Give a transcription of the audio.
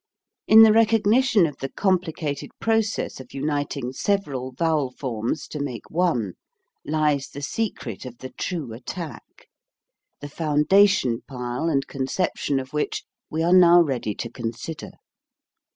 In the recogni tion of the complicated process of uniting sev eral vowel forms to make one lies the secret of the true attack, the foundation pile and con ception of which we are now ready to consider.